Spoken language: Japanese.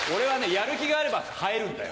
やる気があれば生えるんだよ。